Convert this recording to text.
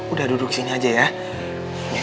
udah duduk di sini aja ya